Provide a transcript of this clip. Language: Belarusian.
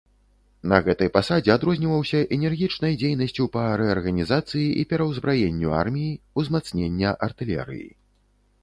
На гэтай пасадзе адрозніваўся энергічнай дзейнасцю па рэарганізацыі і пераўзбраенню арміі, узмацнення артылерыі.